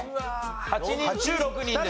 ８人中６人ですから。